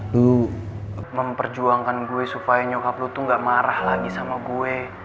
lo memperjuangkan gue supaya nyokap lo tuh ga marah lagi sama gue